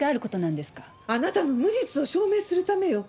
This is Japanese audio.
あなたの無実を証明するためよ。